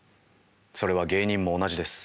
それは芸人も同じです。